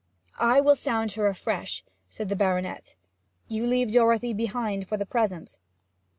'I will sound her afresh,' said the baronet. 'You leave Dorothy behind for the present?'